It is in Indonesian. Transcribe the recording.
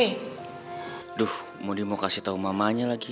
aduh maudy mau kasih tau mamanya lagi